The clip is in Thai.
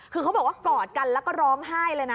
คือเขาบอกว่ากอดกันแล้วก็ร้องไห้เลยนะ